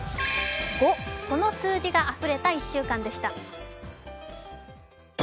「５」この数字があふれた１週間でした。